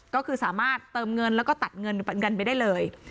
ก็คือสามารถเติมเงินแล้วก็ตัดเงินไปได้เลย